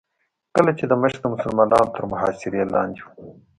کله چې دمشق د مسلمانانو تر محاصرې لاندې و.